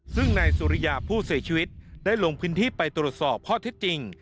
ซึ่งนายสุริยาผู้เสียชีวิตได้ลงพื้นที่ไปตรวจสอบข้อเท็จจริง